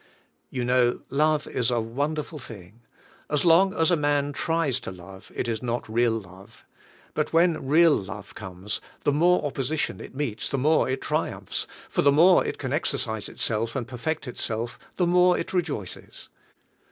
You know love is a wonderful thing. As long as a man tries to love it is not real love, but when real love comes, the more opposition it meets the more it triumphs, for the more it can exercise itself and perfect itself, the more it rejoices.